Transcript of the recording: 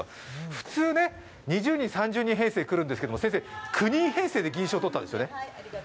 普通ね、２０人、３０人編成で来るんですけど先生、９人編成で銀賞取ったんですよね。